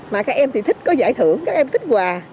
mà các em thì thích có giải thưởng các em thích hòa